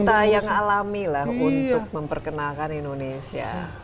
mereka luta yang alami lah untuk memperkenalkan indonesia